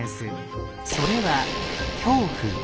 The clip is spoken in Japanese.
それは「恐怖」。